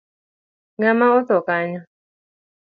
Ngama otho kanyo?